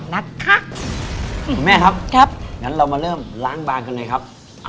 หมุนแม่คุณแหมครับงั้นเรามาเริ่มล้างบางกันหน่อยครับ